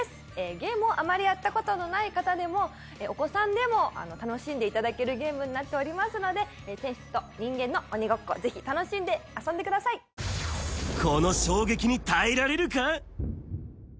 ゲームをあまりやったことない方でも、お子さんでも、楽しんでいただけるゲームになっておりますので、天使と人間の鬼ごっこ、この衝撃に耐えられるか？